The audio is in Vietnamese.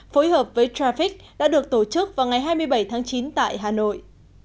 phối hợp với traffic đã được tổ chức vào ngày hai mươi bảy tháng chín tại hà nội